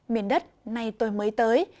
miền đất nay tôi mới tới